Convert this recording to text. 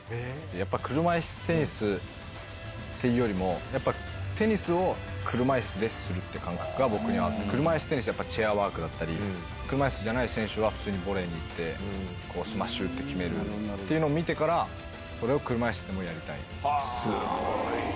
やっぱり車いすテニスっていうよりも、やっぱテニスを車いすでするっていう感覚が僕にはあって、車いすテニスって、やっぱチェアワークだったり、車いすじゃない選手は普通にボレーに行って、スマッシュ打って決めるっていうのを見てから、すごいな。